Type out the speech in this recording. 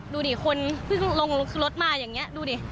ดูดิคนเพิ่งลงรถมาอย่างนี้ดูดิ